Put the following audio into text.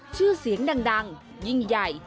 ชื่อเสียงดังยิ่งใหญ่